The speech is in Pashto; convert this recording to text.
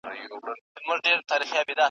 زده کوونکي امتحان ته تیاری نیسي.